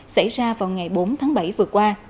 xảy ra vào ngày bốn tháng bảy vừa qua